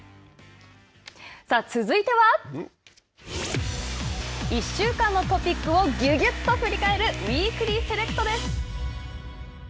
さあ、続いては１週間のトピックをぎゅぎゅっと振り返るウイークリーセレクトです。